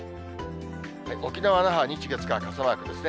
沖縄、那覇、日、月、火、傘マークですね。